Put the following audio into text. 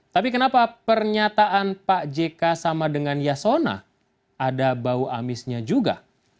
tapi kenapa pernyataan pak jk sama dengan yasona ada bau amisnya juga